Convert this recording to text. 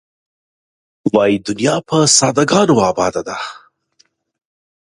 وایې دنیا په ساده ګانو آباده ده.